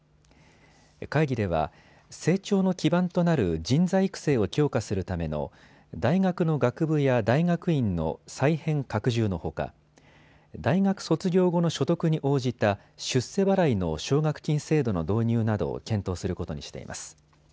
会議では成長の基盤となる人材育成を強化するための大学の学部や大学院の再編・拡充のほか、大学卒業後の所得に応じた出世払いの奨学金制度の導入などを検討することにしています。